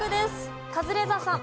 カズレーザーさん。